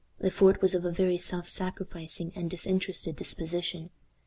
Le Fort was of a very self sacrificing and disinterested disposition.